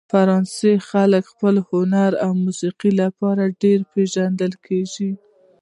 فرانسوي خلک د خپل هنر او موسیقۍ لپاره پېژندل کیږي.